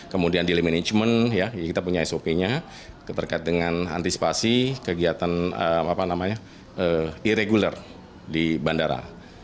kemudian di management kita punya sop nya terkait dengan antisipasi kegiatan irregular di bandara